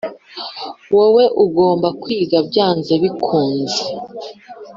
wowe ugomba kwiga byanze bikunze